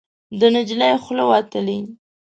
د نجلۍ خوله وتلې